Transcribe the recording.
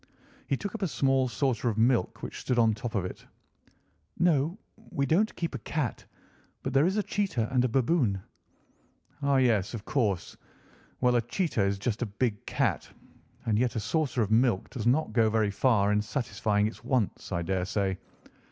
He took up a small saucer of milk which stood on the top of it. "No; we don't keep a cat. But there is a cheetah and a baboon." "Ah, yes, of course! Well, a cheetah is just a big cat, and yet a saucer of milk does not go very far in satisfying its wants, I daresay.